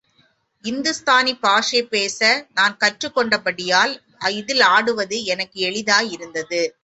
இந்துஸ்தானி பாஷை பேச நான் கற்றுக்கொண்டபடியால், இதில் ஆடுவது எனக்கு எளிதாயிருந்தது.